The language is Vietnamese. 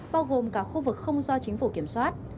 bao gồm cả khu vực không do chính phủ kiểm soát